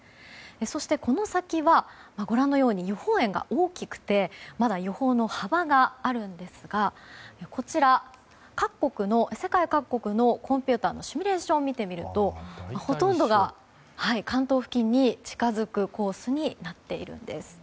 そして、この先はご覧のように予報円が大きくてまだ予報の幅があるんですが世界各国のコンピューターのシミュレーションを見てみるとほとんどが関東付近に近づくコースになっているんです。